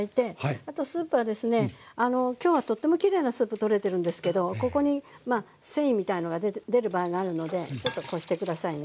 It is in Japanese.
あとスープはですね今日はとってもきれいなスープとれてるんですけどここにまあ繊維みたいのが出る場合があるのでちょっとこして下さいね。